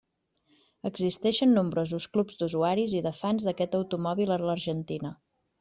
Existeixen nombrosos clubs d'usuaris i de fans d'aquest automòbil a l'Argentina.